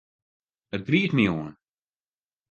It griist my oan.